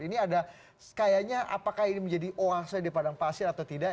ini ada kayaknya apakah ini menjadi oase di padang pasir atau tidak